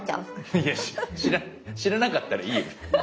いや知らなかったらいいよ。